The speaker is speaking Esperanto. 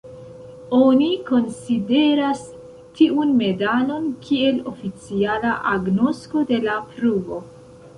Oni konsideras tiun medalon kiel oficiala agnosko de la pruvo.